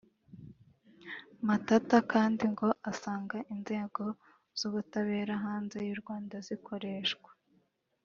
Matata kandi ngo asanga inzego z’ubutabera hanze y’u Rwanda zikoreshwa